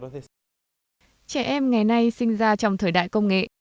trẻ em ngày nay sinh ra trong thời đại công nghệ